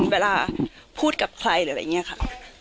เวลาพูดกับใครหรืออะไรอย่างนี้ค่ะ